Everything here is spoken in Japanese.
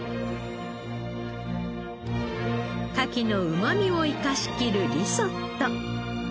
カキのうまみを生かしきるリゾット。